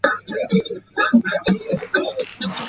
The structure is A-B-A-C-A.